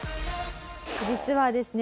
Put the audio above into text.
実はですね